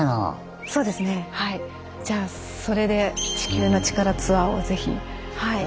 じゃあそれで地球のチカラツアーをぜひ。